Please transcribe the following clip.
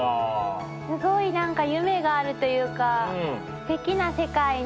すごいなんか夢があるというかすてきな世界ね。